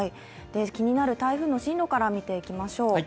気になる台風の進路から見ていきましょう。